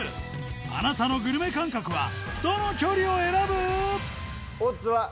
あなたのグルメ感覚はどの距離を選ぶ？